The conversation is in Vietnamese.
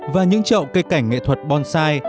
và những trậu cây cảnh nghệ thuật bonsai